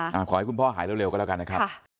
ขอให้คุณพ่อหายเร็วก็แล้วกันนะครับ